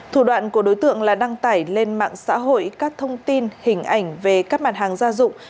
thủ đoạn của đối tượng là đăng tải lên mạng xã hội các thông tin hình ảnh về các mặt hàng gia dụng